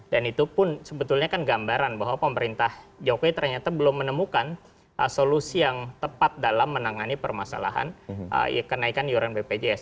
dan itu pun sebetulnya kan gambaran bahwa pemerintah jokowi ternyata belum menemukan solusi yang tepat dalam menangani permasalahan kenaikan yuran bpjs